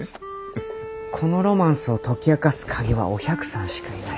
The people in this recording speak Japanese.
このロマンスを解き明かす鍵はお百さんしかいない。